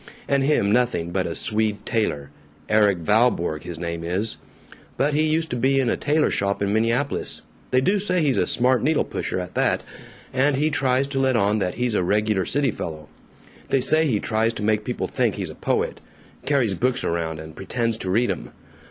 And him nothing but a Swede tailor Erik Valborg his name is. But he used to be in a tailor shop in Minneapolis (they do say he's a smart needle pusher, at that) and he tries to let on that he's a regular city fellow. They say he tries to make people think he's a poet carries books around and pretends to read 'em.